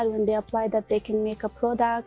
mereka bisa membuat produk